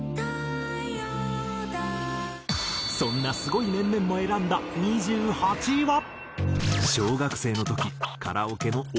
そんなすごい面々も選んだ２８位は。